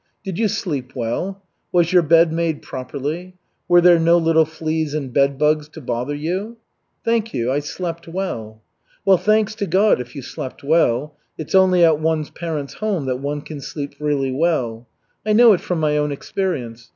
"Did you sleep well? Was your bed made properly? Were there no little fleas and bedbugs to bother you?" "Thank you. I slept well." "Well, thanks to God, if you slept well. It's only at one's parents' home that one can sleep really well. I know it from my own experience.